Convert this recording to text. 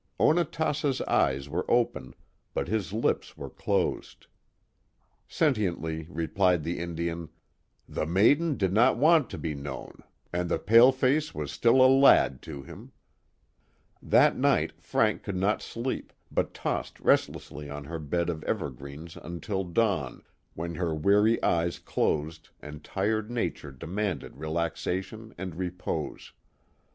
Onatassa's eyes were open, but his lips were closed," sentiently replied the Indian; the maiden did not want to be known, and the paleface was still a lad to him." 246 The Mohawk Valley ^^H That night Frank coulil not sleep, but tossed restlessly on Jl£r ' bed of evergreens until dawn, when her weary eyes closed and tired nature demanded relaxation and repose.